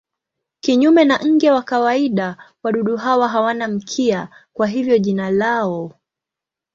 Kinyume na nge wa kawaida wadudu hawa hawana mkia, kwa hivyo jina lao.